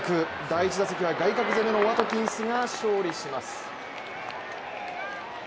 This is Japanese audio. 第１打席は外角攻めのワトキンスが勝利します。